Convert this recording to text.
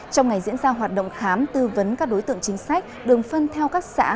trong ngày diễn ra hoạt động khám tư vấn các đối tượng chính sách đường phân theo các xã